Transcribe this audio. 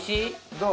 どう？